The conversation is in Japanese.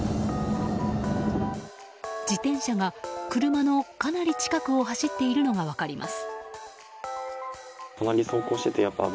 自転車が車のかなり近くを走っているのが分かります。